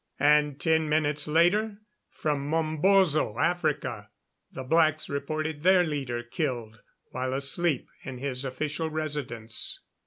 And ten minutes later from Mombozo, Africa, the blacks reported their leader killed while asleep in his official residence.